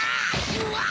うわ！